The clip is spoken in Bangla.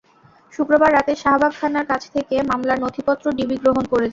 শুক্রবার রাতে শাহবাগ থানার কাছ থেকে মামলার নথিপত্র ডিবি গ্রহণ করেছে।